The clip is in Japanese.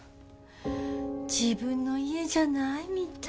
自分の家じゃないみたい。